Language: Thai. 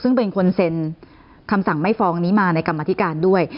ซึ่งเป็นคนเซ็นคำสั่งไม่ฟ้องนี้มาในกรรมธิการด้วย